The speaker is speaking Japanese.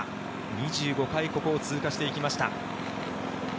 ２５回ここを通過していきました。